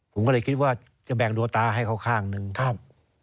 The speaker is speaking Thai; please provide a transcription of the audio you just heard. ผมก็เลยคิดว่าจะแบ่งดวงตาให้เขาข้างหนึ่งครับ